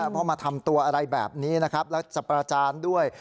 เพราะมาทำตัวอะไรแบบนี้นะครับแล้วจะประจานด้วย